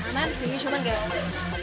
aman sih cuman kayak